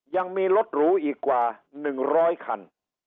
ยังมีรถหรูอีกกว่า๑๐๐คัน